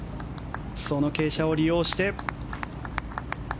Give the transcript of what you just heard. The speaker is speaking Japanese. その傾斜を利用して。